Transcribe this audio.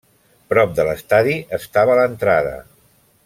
Prop de l'estadi, estava l'entrada.